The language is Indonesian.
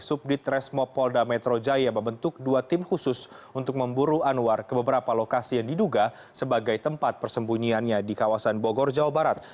subdit resmo polda metro jaya membentuk dua tim khusus untuk memburu anwar ke beberapa lokasi yang diduga sebagai tempat persembunyiannya di kawasan bogor jawa barat